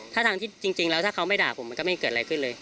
ถ้าทางที่จริงแล้วถ้าเขาไม่ด่าผมมันก็ไม่เกิดอะไรขึ้นเลย